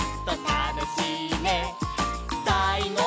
「たのしいね」